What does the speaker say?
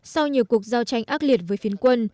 sau nhiều cuộc giao tranh ác liệt với phiến quân